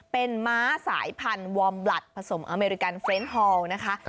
เป็นม้าสายพันธุ์วอร์มบลัดผสมอเมริกันเฟรนด์ฮอลนะคะ